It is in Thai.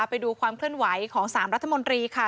ไปดูความเคลื่อนไหวของ๓รัฐมนตรีค่ะ